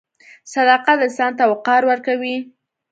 • صداقت انسان ته وقار ورکوي.